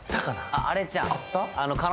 あっあれちゃう？